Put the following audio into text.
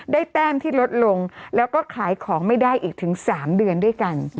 แต้มที่ลดลงแล้วก็ขายของไม่ได้อีกถึง๓เดือนด้วยกัน